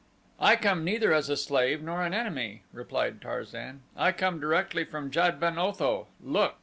"I come neither as a slave nor an enemy," replied Tarzan. "I come directly from Jad ben Otho. Look!"